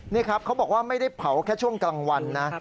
นี่ครับเขาบอกว่าไม่ได้เผาแค่ช่วงกลางวันนะ